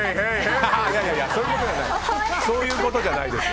そういうことじゃないです。